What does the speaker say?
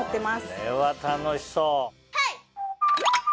これは楽しそう。